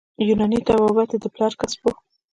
یوناني طبابت یې د پلار کسب وو.